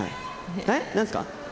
えっ何すか？